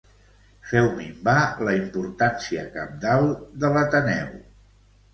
Feu minvar la importància cabdal de l'Ateneu.